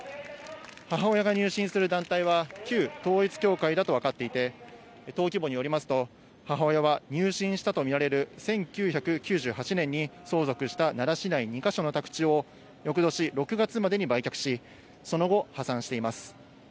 母親が入信する団体は、旧統一教会だと分かっていて、登記簿によりますと、母親は入信したと見られる、１９９８年に相続した奈良市内２か所の宅地を翌年６月までに売却し、その後、破産しています。